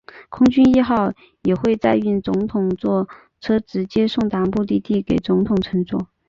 空军一号也会载运总统座车直接送达目的地给总统乘坐。